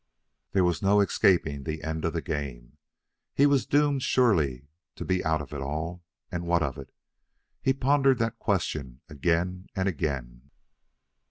There was no escaping the end of the game. He was doomed surely to be out of it all. And what of it? He pondered that question again and again.